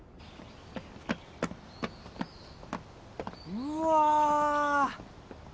うわ。